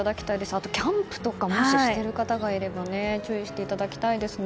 あとはキャンプとかもし、している方がいれば注意していただきたいですね。